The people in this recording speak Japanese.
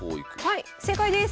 はい正解です！